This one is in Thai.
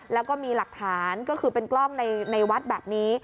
แล้วก็มีหลักฐานก็คือเป็นกล้องในวัดแบบนี้